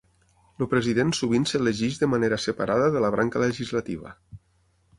El president sovint s'elegeix de manera separada de la branca legislativa.